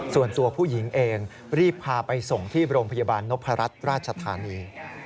ส่วนตัวผู้หญิงเองรีบพาไปส่งที่โรงพยาบาลนพรัชราชธานี